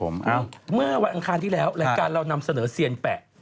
เมื่อวันอังคารที่แล้วรายการเรานำเสนอเซียนแปะ